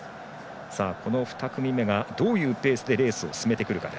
この２組目が、どういうペースでレースを進めてくるか。